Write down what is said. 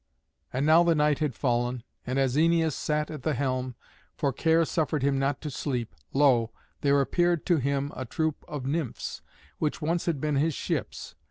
And now the night had fallen, and as Æneas sat at the helm, for care suffered him not to sleep, lo! there appeared to him a troop of Nymphs, which once had been his ships.